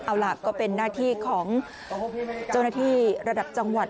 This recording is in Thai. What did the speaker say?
เอาล่ะก็เป็นหน้าที่ของเจ้าหน้าที่ระดับจังหวัด